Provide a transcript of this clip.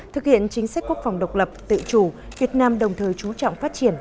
thực hiện chính sách quốc phòng độc lập tự chủ việt nam đồng thời chú trọng phát triển